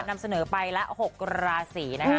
นำเสนอไปละ๖ราศี